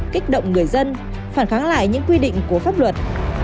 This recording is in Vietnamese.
kích động người dân phản kháng lại những quy định của pháp luật